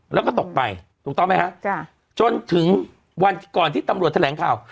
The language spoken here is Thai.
แล้วก็ตกไปถูกต้องไหมฮะจนถึงวันก่อนที่ตำรวจแถลงข่าว